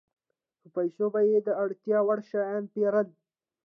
په پیسو به یې د اړتیا وړ شیان پېرل